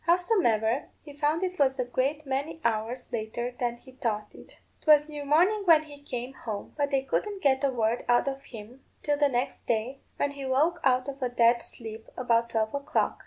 Howsomever, he found it was a great many hours later than he thought it; 'twas near morning when he came home; but they couldn't get a word out of him till the next day, when he woke out of a dead sleep about twelve o'clock."